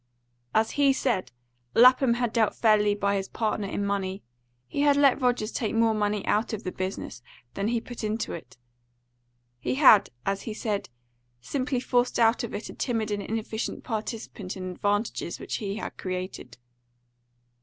As he said, Lapham had dealt fairly by his partner in money; he had let Rogers take more money out of the business than he put into it; he had, as he said, simply forced out of it a timid and inefficient participant in advantages which he had created.